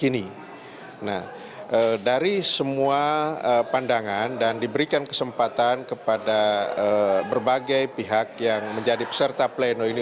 nah dari semua pandangan dan diberikan kesempatan kepada berbagai pihak yang menjadi peserta pleno ini